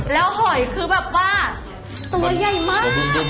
แล้วหอยคือแบบว่าตัวใหญ่มาก